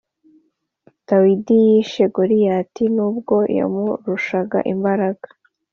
Dawidi yishe goriati nubwo yamurushaga imbaraga